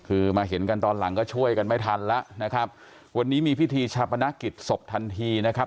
คือมาเห็นกันตอนหลังก็ช่วยกันไม่ทันแล้วนะครับวันนี้มีพิธีชาปนกิจศพทันทีนะครับ